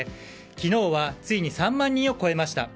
昨日はついに３万人を超えました。